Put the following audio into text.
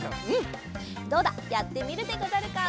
どうだやってみるでござるか？